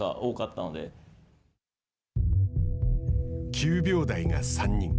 ９秒台が３人。